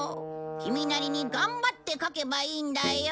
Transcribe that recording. キミなりに頑張って描けばいいんだよ。